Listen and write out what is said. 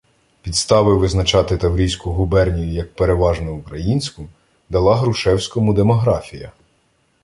Підстави визначати Таврійську губернію як «переважно українську» дала Грушевському демографія.